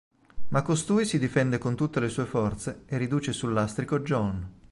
Ma costui si difende con tutte le sue forze e riduce sul lastrico John.